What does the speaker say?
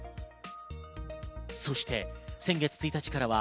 そして先月１日からは、